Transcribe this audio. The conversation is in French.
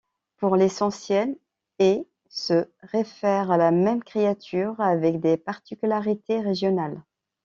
Pour l'essentiel, et ' se référent à la même créature avec des particularités régionales.